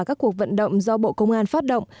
các cuộc vận động do bộ công an phát động